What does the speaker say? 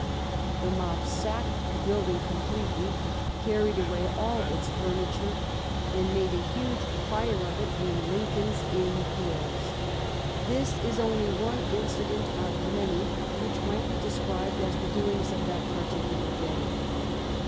The mob sacked 300 SACHEVERELL the building completely; carried away all its furni ture, and made a huge fire of it in Lincoln's Inn Fields. This is only one incident out of many which might be described as the doings of that particular day.